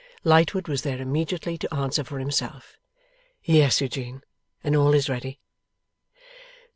Lightwood was there immediately, to answer for himself. 'Yes, Eugene, and all is ready.